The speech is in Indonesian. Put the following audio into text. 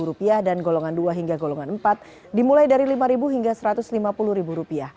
rp lima dan golongan dua hingga golongan empat dimulai dari rp lima hingga rp satu ratus lima puluh